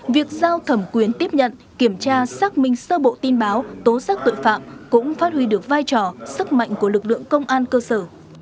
việc giao thẩm quyến tiếp nhận kiểm tra xác minh sơ bộ tin báo tố xác tội phạm cũng phát huy được vai trò sức mạnh của lực lượng công an cơ sở